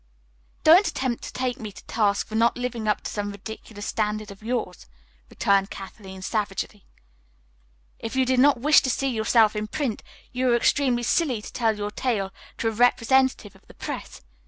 "Don't attempt to take me to task for not living up to some ridiculous standard of yours," returned Kathleen savagely. "If you did not wish to see yourself in print, you were extremely silly to tell your tale to a representative of the press.